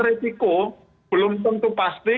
risiko belum tentu pasti